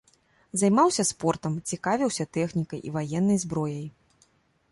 Займаўся спортам, цікавіўся тэхнікай і ваеннай зброяй.